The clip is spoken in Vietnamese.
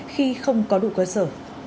khi không có đủ cơ sở